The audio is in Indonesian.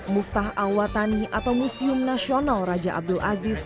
muftah awatani atau museum nasional raja abdul aziz